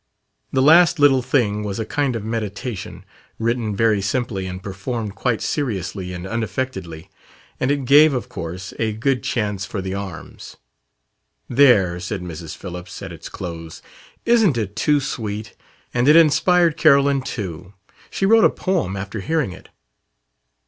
The last little thing was a kind of "meditation," written very simply and performed quite seriously and unaffectedly. And it gave, of course, a good chance for the arms. "There!" said Mrs. Phillips, at its close. "Isn't it too sweet? And it inspired Carolyn too. She wrote a poem after hearing it."